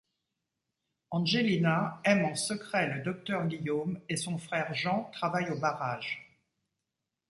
Angelina aime en secret le docteur Guillaume et son frère Jean travaille au barrage.